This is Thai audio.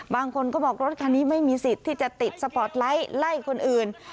บางคนก็บอกรถคันนี้ไม่มีสิทธิ์ที่จะติดสปอร์ตไลท์ไล่คนอื่น